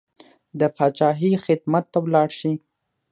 د پاچاهۍ خدمت ته ولاړ شي.